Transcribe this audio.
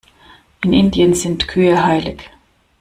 In Indien sind Kühe heilig.